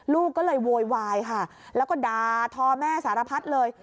ลูกก็เลยโวยวายค่ะแล้วก็ดาทอแม่สารพัดเลย